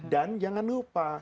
dan jangan lupa